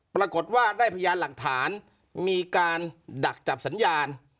ปรากฏว่าได้พยานหลักฐานมีการดักจับสัญญาณ